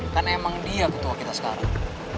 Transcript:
karena emang dia ketua kita sekarang